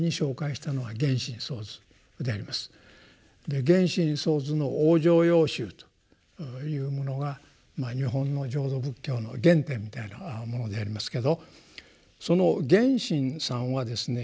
で源信僧都の「往生要集」というものが日本の浄土仏教の原点みたいなものでありますけどその源信さんはですね